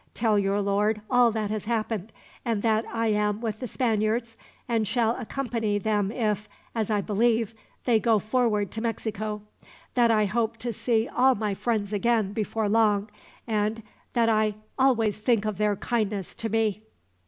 Tell your lord all that has happened, and that I am with the Spaniards, and shall accompany them if, as I believe, they go forward to Mexico; that I hope to see all my friends again, before long; and that I always think of their kindness to me."